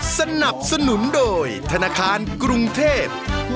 สนับสนุนโดยธนาคารกรุงเทพฯ